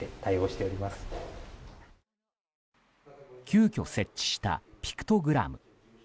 急きょ設置したピクトグラム。